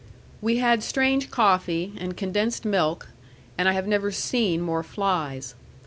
We had strange coffee, and condensed milk; and I have never seen more flies.